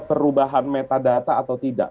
perubahan metadata atau tidak